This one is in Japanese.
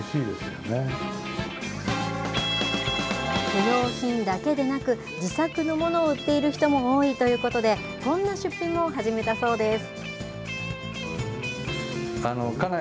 不用品だけでなく、自作のものを売っている人も多いということで、こんな出品も始めたそうです。